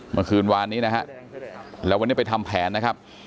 เมื่อวานนี้นะฮะแล้ววันนี้ไปทำแผนนะครับ